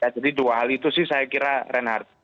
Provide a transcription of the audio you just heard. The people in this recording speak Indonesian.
jadi dua hal itu sih saya kira renhardt